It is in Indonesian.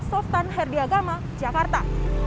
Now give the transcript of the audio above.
sostan herdiagama jakarta